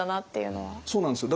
そうなんですよ。